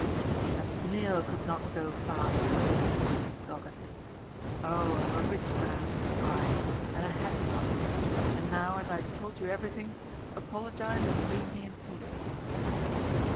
" A snail could not go faster,'* said Hendrik doggedly. " Oh, I am a rich man, I, and a happy one. And now, as I have told you everything, apologise and leave me in peace."